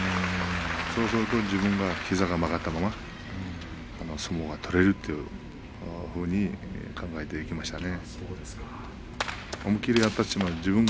そうしたら自分が膝が曲がったまま相撲が取れるというそのように考えましたね。